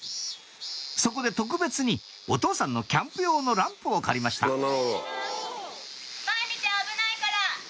そこで特別にお父さんのキャンプ用のランプを借りました前見て危ないから！